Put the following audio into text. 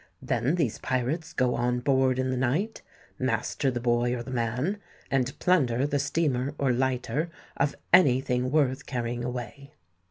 Then these pirates go on board in the night, master the boy or the man, and plunder the steamer or lighter of any thing worth carrying away."